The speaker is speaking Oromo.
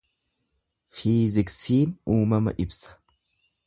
Fiiziksiin uumama ibsa.